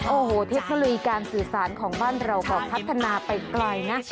โอ้โหเทคโนโลยีการสื่อสารของบ้านเราก็พัฒนาไปไกลนะ